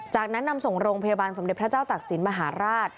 จากนั้นนำส่งโรงพยาบาลสมเด็จพระเจ้าตักศิลปมหาราช